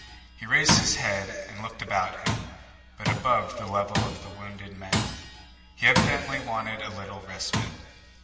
He raised his head and looked about him, but above the level of the wounded men. He evidently wanted a little respite.